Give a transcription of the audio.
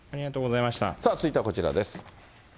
続いてはこちらです。